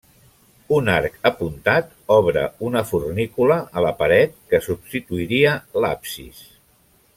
Un arc apuntat obre una fornícula a la paret que substituiria l'absis.